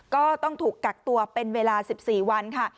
ก็ต้องถูกกักตัวเป็นเวลา๑๔วันค่ะ